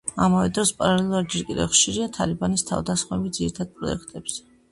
ამავე დროს, პარალელურად, ჯერ კიდევ ხშირია თალიბანის თავდასხმები ძირითად პროექტებზე.